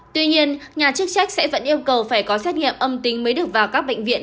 tuy nhiên nhà chức trách sẽ vẫn yêu cầu phải có xét nghiệm âm tính mới được vào các bệnh viện